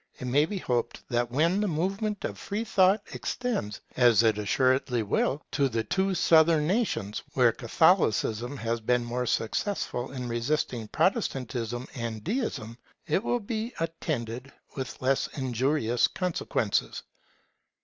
It may be hoped that when the movement of free thought extends, as it assuredly will, to the two Southern nations, where Catholicism has been more successful in resisting Protestantism and Deism, it will be attended with less injurious consequences.